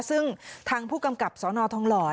ซึ่งทางผู้กำกับสนทองหล่อ